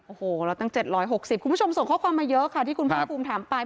โอ้โหเราตั้ง๗๖๐คุณผู้ชมส่งข้อความมาเยอะค่ะที่คุณภาคภูมิถามไป